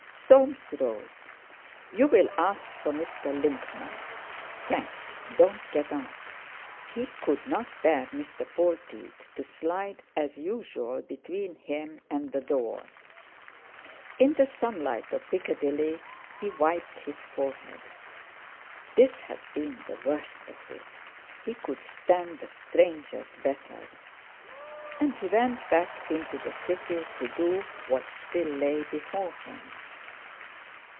Soames rose. "You will ask for Mr. Linkman. Thanks; don't get up." He could not bear Mr. Polteed to slide as usual between him and the door. In the sunlight of Piccadilly he wiped his forehead. This had been the worst of it—he could stand the strangers better. And he went back into the City to do what still lay before him.